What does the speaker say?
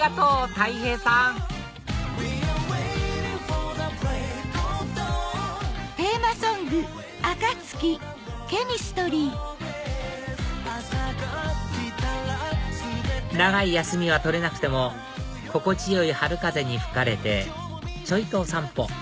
たい平さん長い休みは取れなくても心地よい春風に吹かれてちょいとお散歩